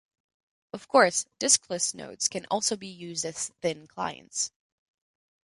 Of course, diskless nodes can also be used as thin clients.